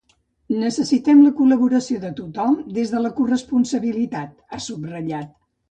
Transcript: “Necessitem la col·laboració de tothom, des de la corresponsabilitat”, ha subratllat.